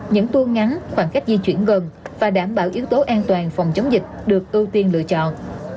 những tour ngắn khoảng cách di chuyển gần và đảm bảo yếu tố an toàn phòng chống dịch được ưu tiên lựa chọn